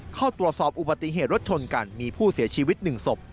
เข้าตรวจสอบอุบัติเหตุรถชนกันมีผู้เสียชีวิต๑ศพ